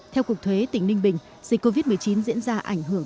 theo cục thuế tỉnh ninh bình dịch covid một mươi chín diễn ra ảnh hưởng